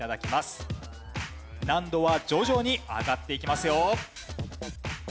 難度は徐々に上がっていきますよ。